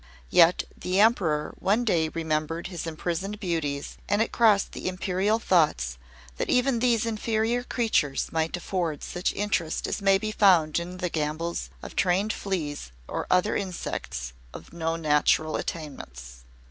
Yet the Emperor one day remembered his imprisoned beauties, and it crossed the Imperial thoughts that even these inferior creatures might afford such interest as may be found in the gambols of trained fleas or other insects of no natural attainments.